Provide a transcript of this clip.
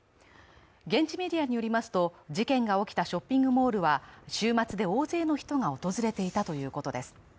現地メディアによりますと事件が起きたショッピングモールは週末で大勢の人が訪れていたということです。